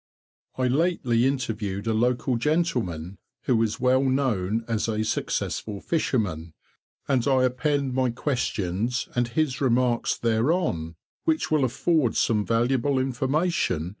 I lately interviewed a local gentleman who is well known as a successful fisherman, and I append my questions and his remarks thereon, which will afford some valuable information.